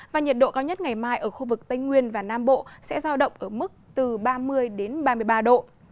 và nhiệt độ cao nhất ngày mai ở khu vực tây nguyên và nam bộ sẽ giao động ở mức từ ba mươi đến ba mươi ba độ